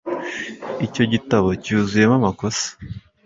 icyo gitabo cyuzuyemo amakosa